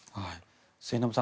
末延さん